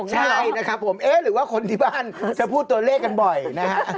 ใช่นะครับผมเอ๊ะหรือว่าคนที่บ้านจะพูดตัวเลขกันบ่อยนะฮะ